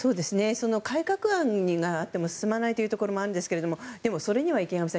改革案があっても進まないところもありますがでも、それには池上さん